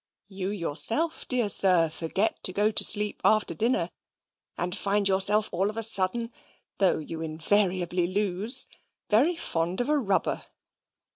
You yourself, dear sir, forget to go to sleep after dinner, and find yourself all of a sudden (though you invariably lose) very fond of a rubber.